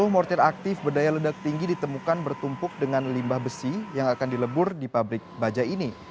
sepuluh mortir aktif berdaya ledak tinggi ditemukan bertumpuk dengan limbah besi yang akan dilebur di pabrik baja ini